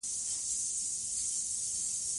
اوښ د افغانانو د تفریح یوه وسیله ده.